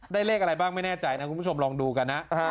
เลขอะไรบ้างไม่แน่ใจนะคุณผู้ชมลองดูกันนะ